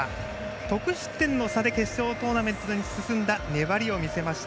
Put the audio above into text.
得失点の差で決勝トーナメントに進んだ粘りを見せました。